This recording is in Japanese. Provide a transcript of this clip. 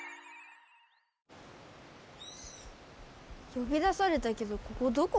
よび出されたけどここどこ？